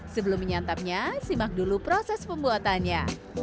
sebelum menyantapnya simak dulu proses pembuatannya